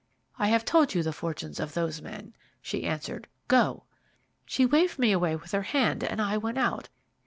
"'I have told you the fortunes of those men,' she answered; 'go!' "She waved me away with her hand, and I went out.